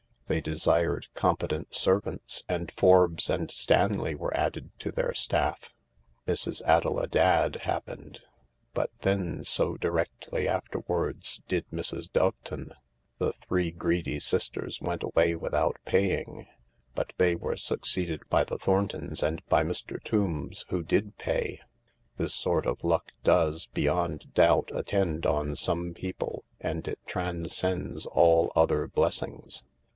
They desired competent servants : and Forbes and Stanley were added to their staff. Mrs. Adela Dadd happened : but then so, directly afterwards, did Mrs. Doveton. The three greedy sisters went away without paying: but they were succeeded by the Thorntons and by Mr. Tombs, who did pay. This sort of luck does, beyond doubt, attend on some people, and it transcends all other blessings.